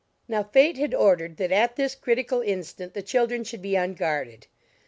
Now fate had ordered that at this critical instant the children should be unguarded.